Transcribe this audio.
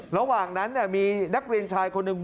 ระหว่างนั้นมีนักเรียนชายคนหนึ่ง